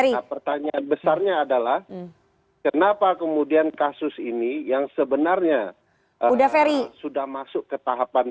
nah pertanyaan besarnya adalah kenapa kemudian kasus ini yang sebenarnya sudah masuk ke tahapan